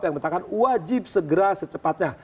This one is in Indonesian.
yang menyatakan wajib segera secepatnya